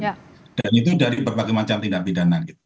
dan itu dari berbagai macam tindak pidana gitu